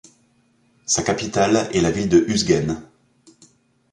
Sa capitale est la ville de Uzgen.